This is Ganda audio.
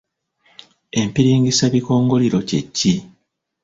Empiringisabikongoliro kye ki?